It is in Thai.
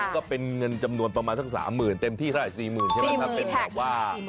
ก็เป็นเงินจำนวนประมาณทั้ง๓๐๐๐๐เต็มที่ราย๔๐๐๐๐ถ้าเป็นแหละว่า